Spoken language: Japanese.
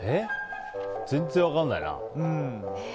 全然分からないな。